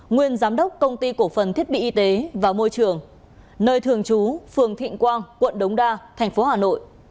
nguyên giám đốc công ty cổ phần thiết bị y tế và môi trường nơi thường trú phường thịnh quang quận đống đa thành phố hà nội